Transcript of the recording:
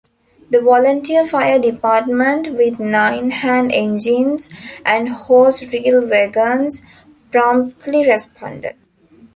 The volunteer Fire Department with nine hand engines and hose reel wagons promptly responded.